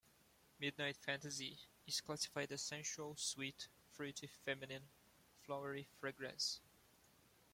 Midnight Fantasy is classified as a sensual, sweet, fruity, feminine, flowery fragrance.